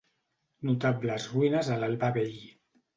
Notables ruïnes a l'Albà vell.